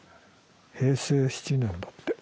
平成７年だって。